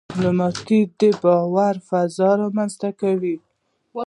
ډيپلومات د باور فضا رامنځته کوي.